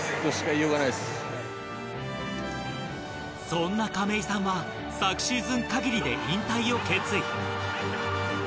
そんな亀井さんは昨シーズン限りで引退を決意。